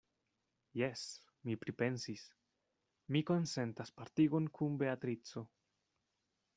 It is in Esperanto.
Jes, mi pripensis: mi konsentas partigon kun Beatrico.